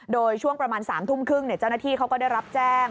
โดยช่วงประมาณ๓ทุ่มครึ่งเจ้าหน้าที่เขาก็ได้รับแจ้ง